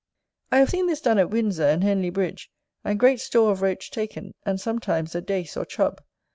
I have seen this done at Windsor and Henley Bridge, and great store of Roach taken; and sometimes, a Dace or Chub.